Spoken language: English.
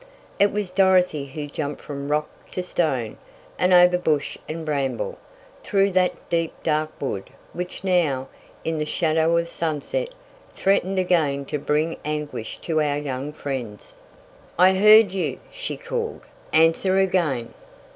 It was Dorothy who jumped from rock to stone, and over bush and bramble, through that deep dark wood, which now, in the shadow of sunset, threatened again to bring anguish to our young friends. "I heard you," she called. "Answer again!"